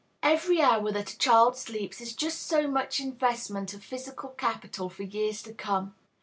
Every hour that a child sleeps is just so much investment of physical capital for years to come.